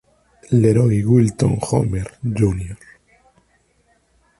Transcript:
LeRoy Wilton Homer, Jr.